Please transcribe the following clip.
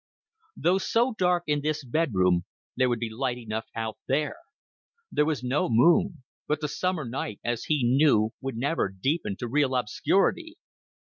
Though so dark in this bedroom, there would be light enough out there. There was no moon; but the summer night, as he knew, would never deepen to real obscurity.